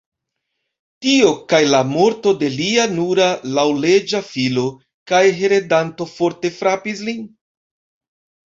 Tio kaj la morto de lia nura laŭleĝa filo kaj heredanto forte frapis lin.